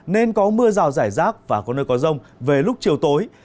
nên có mưa rào rải rác và có nơi có rông về lúc chiều tối